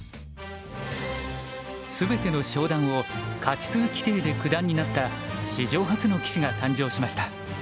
全ての昇段を勝数規定で九段になった史上初の棋士が誕生しました。